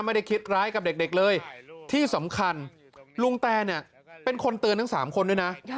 ไม่ได้คิดร้ายกับเด็กเลยที่สำคัญลุงแตเนี่ยเป็นคนเตือนทั้ง๓คนด้วยนะ